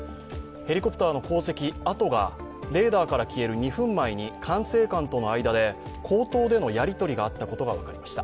ヘリコプターの航跡がレーダーから消える２分前に管制官との間で口頭でのやり取りがあったことが分かりました。